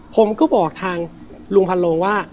ผมก็บอกทางลุงพันโลงว่า